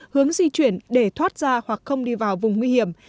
hướng di chuyển để thoát ra hoặc không đi vào vùng nguy hiểm